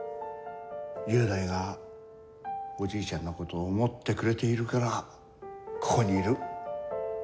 雄大がおじいちゃんのことを思ってくれているからここにいる。